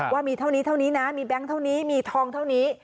ว่ามีเท่านี้เท่านี้นะมีแบงค์เท่านี้มีทองเท่านี้